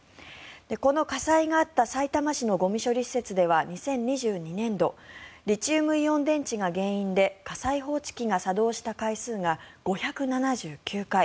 この火災があったさいたま市のゴミ処理施設では２０２２年度リチウムイオン電池が原因で火災報知機が作動した回数が５７９回。